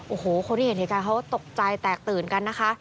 โอ้โหคนที่เห็นเหตุการณ์เขาก็ตกใจแตกตื่นกันนะคะ